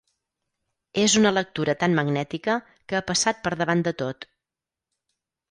És una lectura tan magnètica que ha passat per davant de tot.